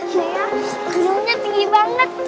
iya gedungnya tinggi banget